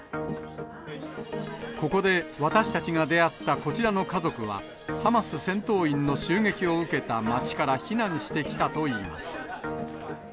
ここで私たちが出会ったこちらの家族は、ハマス戦闘員の襲撃を受けた街から避難してきたといいます。